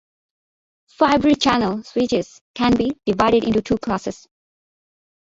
Fibre Channel switches can be divided into two classes.